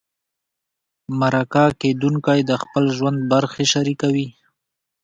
مرکه کېدونکی د خپل ژوند برخې شریکوي.